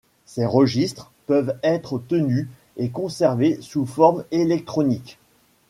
Ces registres peuvent être tenus et conservés sous forme électronique.